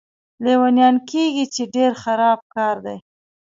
لیونیان کېږي، چې ډېر خراب کار دی.